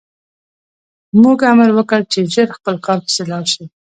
موږ امر وکړ چې ژر خپل کار پسې لاړ شي